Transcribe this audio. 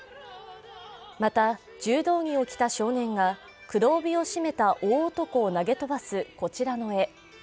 また柔道着を着た少年が黒帯を締めた大男を投げ飛ばすこちらの絵。